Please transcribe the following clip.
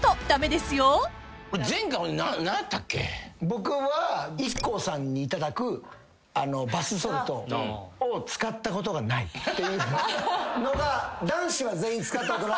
僕はＩＫＫＯさんに頂くバスソルトを使ったことがないっていうのが男子は全員「使ったことない」やったんですけど。